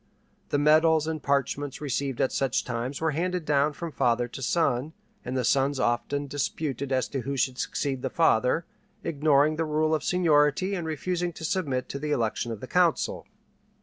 The medals and parchments received at such times were handed down from father to son, and the sons often disputed as to who should succeed the father, ignoring the rule of seniority and refusing to submit to the election of the council.